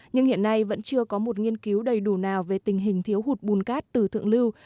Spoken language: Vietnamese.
nhưng hiện nay vẫn chưa có một nghiên cứu đầy đủ nào về tình hình thiếu hụt bùn cát từ thượng lưu